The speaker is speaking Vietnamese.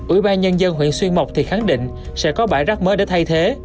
ủy ban nhân dân huyện xuyên mộc thì khẳng định sẽ có bãi rác mới để thay thế